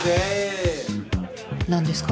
何ですか？